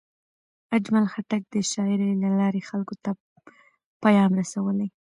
اجمل خټک د شاعرۍ له لارې خلکو ته پیام رسولی.